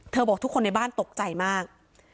บอกทุกคนในบ้านตกใจมาก